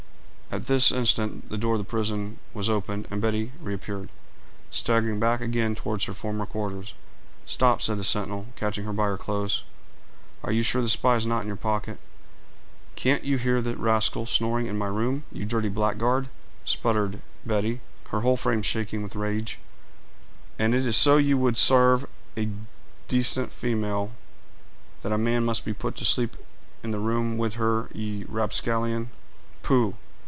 At this instant the door of the prison was opened, and Betty reappeared, staggering back again toward her former quarters. "Stop," said the sentinel, catching her by her clothes; "are you sure the spy is not in your pocket?" "Can't you hear the rascal snoring in my room, you dirty blackguard?" sputtered Betty, her whole frame shaking with rage. "And is it so ye would sarve a dacent famale, that a man must be put to sleep in the room wid her, ye rapscallion?" "Pooh!